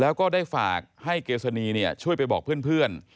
แล้วก็ได้ฝากให้เกษณีช่วยไปบอกเพื่อน